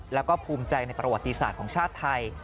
แล้วก็ภูมิใจในประวัติศาสตร์ของชาติไทย